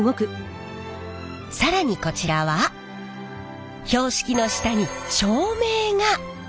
更にこちらは標識の下に照明が！